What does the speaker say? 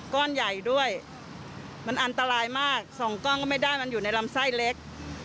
ก้อนใหญ่ด้วยมันอันตรายมากสองก้อนก็ไม่ได้มันอยู่ในลำไส้เล็ก